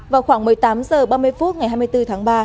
vào khoảng một mươi tám h ba mươi phút ngày hai mươi bốn tháng ba